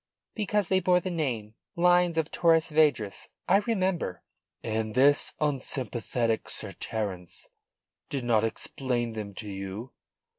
"Because they bore the name: 'Lines of Torres Vedras.' I remember." "And this unsympathetic Sir Terence did not explain them to you?"